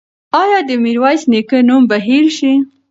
ایا د میرویس نیکه نوم به هېر شي؟